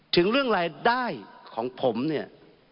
ถึงเรื่องรายได้ของผมเนี่ย